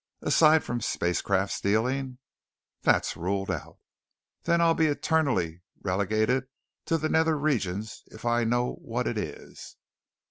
"Aside from spacecraft stealing " "That's ruled out." "Then I'll be eternally relegated to the nether regions if I know what it is."